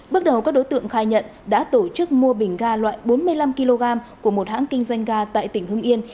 bước đầu các đối tượng khai nhận đã tổ chức mua bình ga loại bốn mươi năm kg của một hãng kinh doanh ga tại tỉnh hưng yên